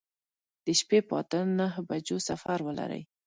د شپې په اته نهو بجو سفر ولرئ.